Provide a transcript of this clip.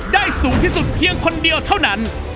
สูงที่สุดเพียงคนเดียวเท่านั้น